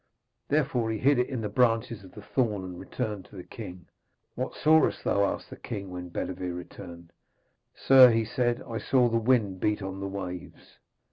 Therefore he hid it in the branches of the thorn and returned to the king. 'What sawest thou?' asked the king when Bedevere returned. 'Sir,' he said, 'I saw the wind beat on the waves.'